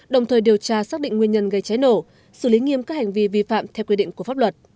đồng thời điều tra xác định nguyên nhân gây cháy nổ xử lý nghiêm các hành vi vi phạm theo quy định của pháp luật